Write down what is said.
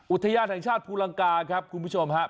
อุทยานแห่งชาติภูลังกาครับคุณผู้ชมครับ